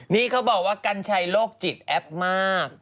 นี่เขาบอกว่ากัญชัยโลกจิตแอปมาก